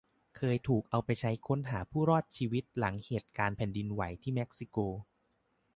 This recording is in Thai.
เคยถูกเอาไปใช้ค้นหาผู้รอดชีวิตหลังเหตุการณ์แผ่นดินไหวที่เม็กซิโก